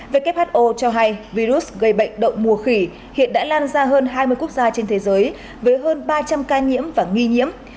who cho hay virus gây bệnh đậu mùa khỉ hiện đã lan ra hơn hai mươi quốc gia trên thế giới với hơn ba trăm linh ca nhiễm và nghi nhiễm